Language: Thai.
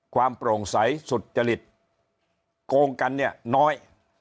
โปร่งใสสุจริตโกงกันเนี่ยน้อย